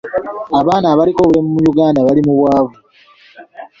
Abaana abaliko obulemu mu Uganda bali mu bwavu.